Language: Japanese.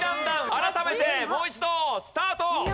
改めてもう一度スタート。